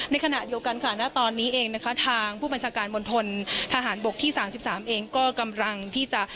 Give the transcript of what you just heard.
ในขณะเดียวกันค่ะณตอนนี้เองนะคะทางผู้บัญชาการมณฑลทหารบกที่๓๓เองก็กำลังที่จะ